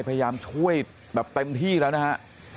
พยายามช่วยแบบเต็มที่แล้วนะฮะ